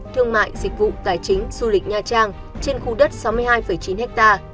thương mại dịch vụ tài chính du lịch nha trang trên khu đất sáu mươi hai chín ha